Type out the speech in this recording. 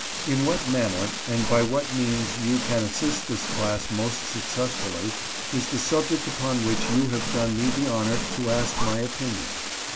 In what manner and by what means you can assist this class most successfully, is the subject upon which you have done me the honor to ask my opinion.